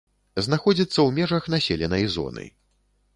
Знаходзіцца ў межах населенай зоны.